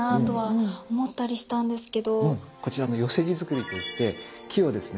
こちら寄木造といって木をですね